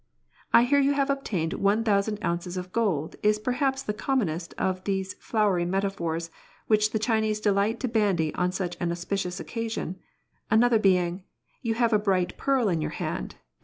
" I hear you have obtained one thou sand ounces of gold," is perhaps the commonest of those flowery metaphors which the Chinese delight to bandy on such an auspicious occasion ; another being, "You have a bright pearl in your hand," &c.